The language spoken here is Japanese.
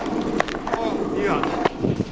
ああいや。